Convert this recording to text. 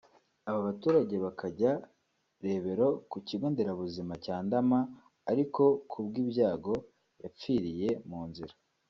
aba baturage bajyanye Rebero ku Kigo Nderabuzima cya Ndama ariko kubw’ibyago yapfiriye mu nzira